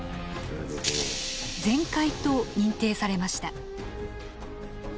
全壊と認定されました。